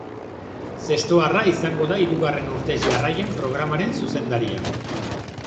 Zestoarra izango da hirugarren urtez jarraian programaren zuzendaria.